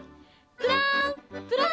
プランプラン。